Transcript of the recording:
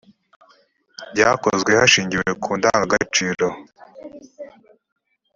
byakozwe hashingiwe ku ndangagaciro